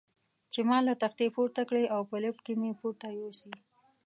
چې ما له تختې پورته کړي او په لفټ کې مې پورته یوسي.